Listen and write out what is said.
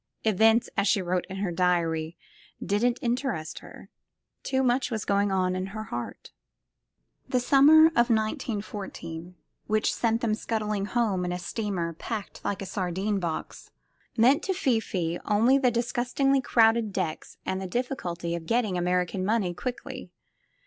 Events, as she wrote in her diary, didn't interest her; too much was going on in her heart. The summer of 1914, which sent them scuttling home in a steamer packed like a sardine box, meant to Fifi only the disgustingly crowded decks and the difficulty of getting American money quickly.